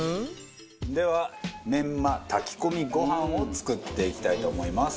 ではメンマ炊き込みご飯を作っていきたいと思います。